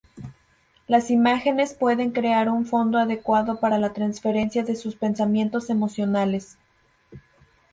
Las imágenes pueden crear un fondo adecuado para la transferencia de sus pensamientos emocionales.